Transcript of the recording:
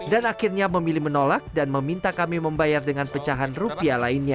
dan akhirnya memilih menolak dan meminta kami membayar dengan pecahan rupiah lainnya